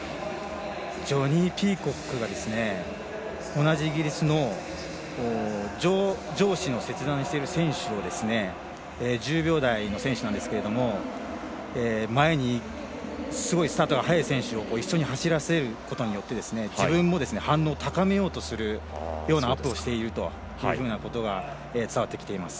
ジョニー・ピーコックが同じイギリスの上肢を切断している選手を１０秒台の選手なんですが前にすごいスタートが速い選手を一緒に走らせることによって自分も反応を高めようというようなアップをしていたことが伝わってきています。